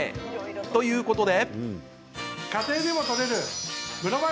ということで。